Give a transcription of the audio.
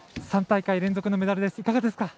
３大会連続のメダルです。